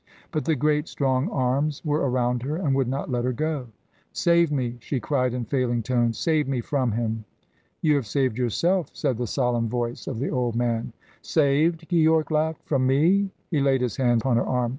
But the great strong arms were around her and would not let her go. "Save me!" she cried in failing tones. "Save me from him!" "You have saved yourself," said the solemn voice of the old man. "Saved?" Keyork laughed. "From me?" He laid his hand upon her arm.